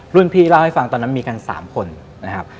รุ่นพี่เล่าให้ฟังตอนนั้นมีกัน๓คนนะครับ